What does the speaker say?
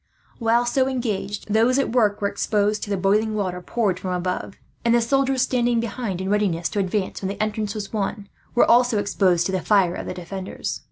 While so engaged, those at work were exposed to the boiling water poured from above; and the soldiers standing behind, in readiness to advance when the entrance was won, were also exposed to the fire of the defenders.